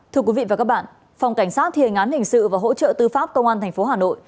thưa quý vị và các bạn phòng cảnh sát thiên án hình sự và hỗ trợ tư pháp công an tp hà nội